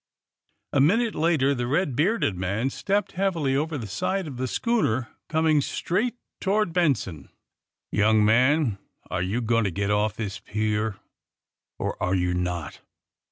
A min ute later the red bearded man stepped heavily over the side of the schooner, coming straight toward Benson. ^' Young man, are you going to get off this pier, or are you not?